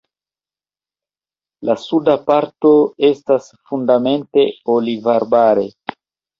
La suda parto estas fundamente olivarbare.